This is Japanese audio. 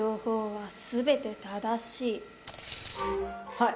はい。